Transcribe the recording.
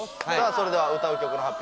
それでは歌う曲の発表